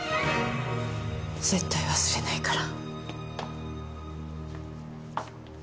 絶対忘れないから。